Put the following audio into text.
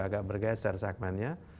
agak bergeser segmennya